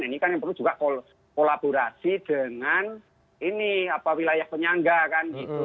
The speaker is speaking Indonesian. ini kan yang perlu juga kolaborasi dengan ini wilayah penyangga kan gitu